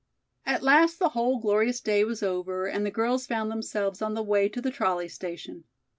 At last the whole glorious day was over and the girls found themselves on the way to the trolley station.